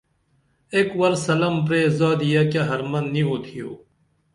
ایک ور سلم پرے زادیہ کیہ حرمن نی اُئتھیو